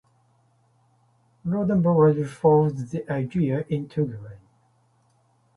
Roddenberry found the idea intriguing.